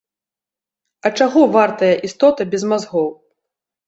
А чаго вартая істота без мазгоў?